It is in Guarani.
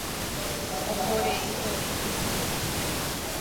Ohoreivoi heseve.